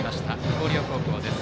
広陵高校です。